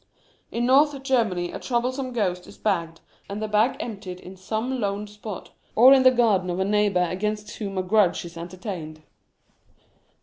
In North Germany a troublesome ghost is bagged, and the bag emptied in some lone spot, or in the garden of a neighbour against whom a grudge is entertained.